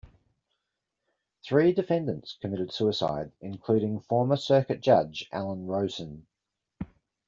Three defendants commmitted suicide, including former Circuit Judge Allen Rosin.